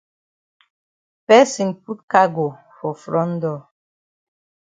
Person put cargo for front door.